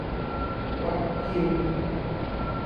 รักพิมพ์